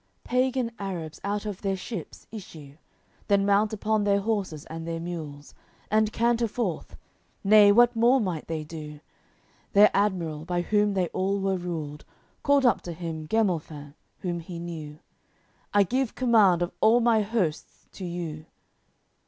CCI Pagan Arabs out of their ships issue, Then mount upon their horses and their mules, And canter forth, (nay, what more might they do?) Their admiral, by whom they all were ruled, Called up to him Gemalfin, whom he knew: "I give command of all my hosts to you."